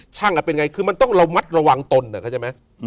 ช่างอะเป็นไงคือมันต้องระวังตนนะเข้าใจไหม